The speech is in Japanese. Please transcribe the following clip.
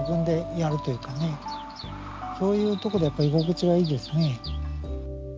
そういうとこでやっぱり居心地はいいですね。